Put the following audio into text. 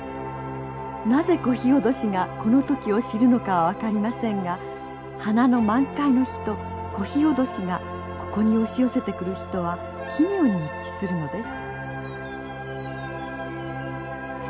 なぜコヒオドシがこの時を知るのかは分かりませんが花の満開の日とコヒオドシがここに押し寄せてくる日とは奇妙に一致するのです。